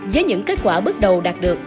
với những kết quả bước đầu đạt được